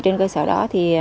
trên cơ sở đó